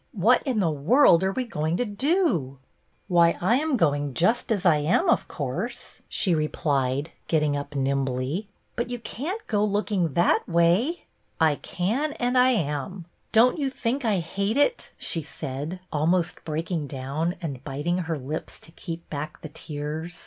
What in the world are we going to do ?" "Why, I am going just as I am, of course," she replied, getting up nimbly. " But you can't go looking that way." 104 BETTY BAIRD " I can and I am. Don't you think I hate it ?" she said, almost breaking down, and bit ing her lips to keep back the tears.